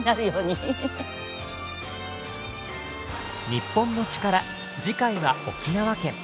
『日本のチカラ』次回は沖縄県。